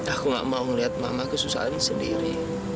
aku nggak mau lihat mama kesusahan sendiri